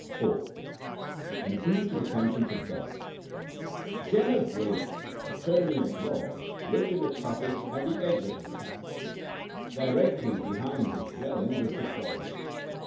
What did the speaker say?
IV AN APPEAL TO THE CONSCIENCE OF GOD Jenner Brading, attorney at law, lived in a cottage at the edge of the town. Directly behind the dwelling was the forest.